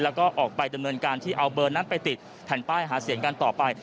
แล้วก็ออกไปดำเนินการที่เอาเบอร์นั้นไปติดแผ่นป้ายหาเสียงกันต่อไป